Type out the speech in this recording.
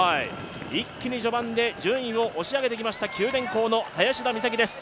一気に序盤で順位を押し上げてきました九電工の林田美咲です。